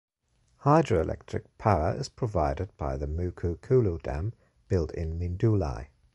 Hydroelectric power is provided by the Moukoukoulou Dam built in Mindouli.